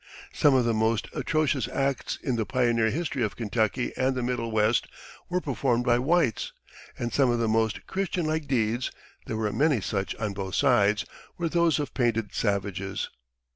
Some of the most atrocious acts in the pioneer history of Kentucky and the Middle West were performed by whites; and some of the most Christianlike deeds there were many such on both sides were those of painted savages.